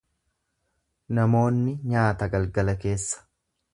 Namoonni nyaata galgala keessa.